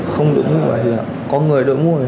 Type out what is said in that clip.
không đổi mũi có người đổi mũi